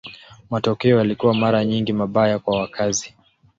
Matokeo yalikuwa mara nyingi mabaya kwa wakazi.